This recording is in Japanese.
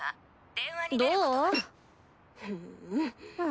どう？